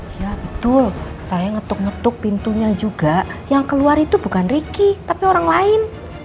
iya betul saya ngetuk ngetuk pintunya juga yang keluar itu bukan ricky tapi orang lain